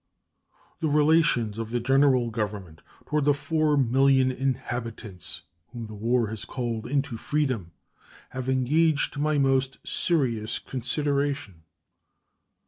The relations of the General Government toward the 4,000,000 inhabitants whom the war has called into freedom have engaged my most serious consideration.